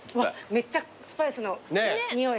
めっちゃスパイスの匂い。